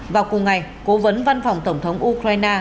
vào cùng ngày cố vấn văn phòng tổng thống ukraine